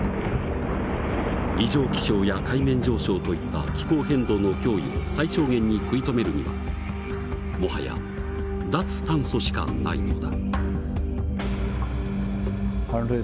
異常気象や海面上昇といった気候変動の脅威を最小限に食い止めるにはもはや脱炭素しかないのだ。